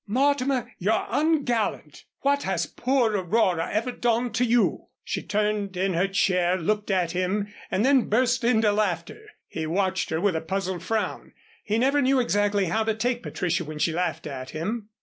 "Mortimer, you're ungallant! What has poor Aurora ever done to you?" She turned in her chair, looked at him, and then burst into laughter. He watched her with a puzzled frown. He never knew exactly how to take Patricia when she laughed at him.